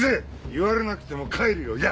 言われなくても帰るよ藪！